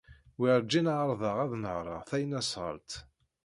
Werǧin ɛerḍeɣ ad nehreɣ taynasɣalt.